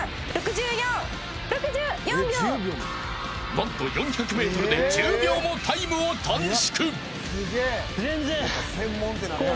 何と４００メートルで１０秒もタイムを短縮。